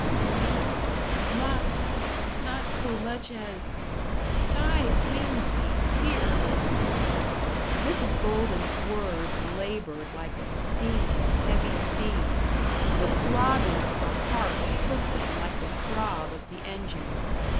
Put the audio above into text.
"No not not so much as Side pains me here." Mrs. Golden's words labored like a steamer in heavy seas; the throbbing of her heart shook them like the throb of the engines.